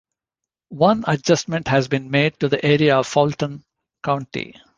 One adjustment has been made to the area of Fulton County.